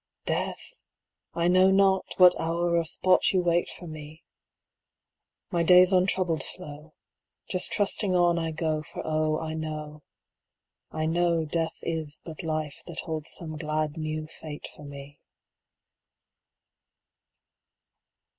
Death! I know not, what hour or spot you wait for me; My days untroubled flow, Just trusting on, I go, For oh, I know, I know, Death is but Life that holds some glad new fate for me.